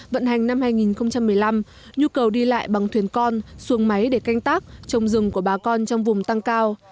vận hành năm hai nghìn một mươi năm nhu cầu đi lại bằng thuyền con xuồng máy để canh tác trồng rừng của bà con trong vùng tăng cao